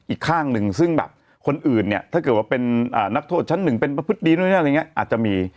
อีกข้างหนึ่งซึ่งแบบคนอื่นเนี่ยถ้าเกิดว่าเป็นนักโทษชั้นหนึ่งเป็นประพฤติดีนู่นนี่อะไรอย่างนี้อาจจะมี